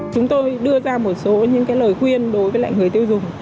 chúng tôi đưa ra một số những lời khuyên đối với lại người tiêu dùng